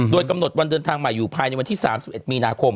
โดยกำหนดวันเดินทางใหม่อยู่ภายในวันที่๓๑มีนาคม